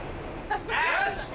よし！